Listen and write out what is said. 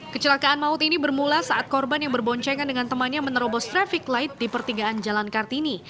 kecelakaan maut ini bermula saat korban yang berboncengan dengan temannya menerobos traffic light di pertigaan jalan kartini